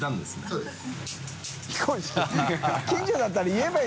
そうです。